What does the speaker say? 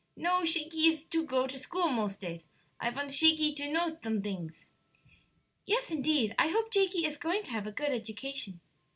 "No; Shakey is go to school most days. I vants Shakey to knows somedings." "Yes, indeed; I hope Jakey is going to have a good education.